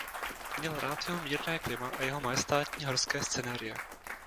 Měl rád jeho mírné klima a jeho majestátní horské scenérie.